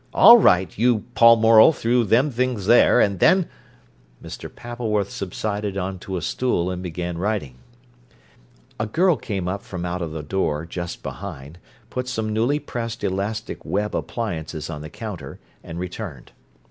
All right, you Paul Morel through them things there, and then—" Mr. Pappleworth subsided on to a stool, and began writing. A girl came up from out of a door just behind, put some newly pressed elastic web appliances on the counter, and returned.